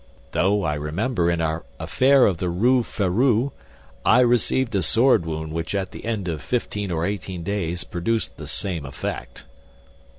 Though I remember, in our affair of the Rue Férou, I received a sword wound which at the end of fifteen or eighteen days produced the same effect."